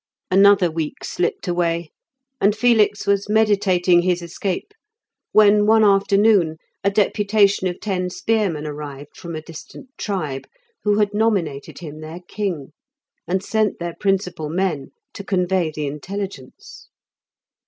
Another week slipped away, and Felix was meditating his escape, when one afternoon a deputation of ten spearmen arrived from a distant tribe, who had nominated him their king, and sent their principal men to convey the intelligence.